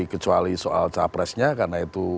kecuali soal capresnya karena itu